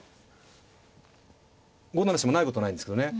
５七飛車もないことないんですけどね。